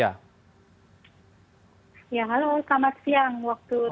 ya halo selamat siang waktu